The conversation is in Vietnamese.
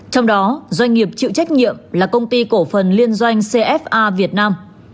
trong đó doanh nghiệp chịu trách nhiệm là công ty cổ phần liên doanh cfa việt nam